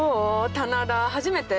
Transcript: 棚田初めて？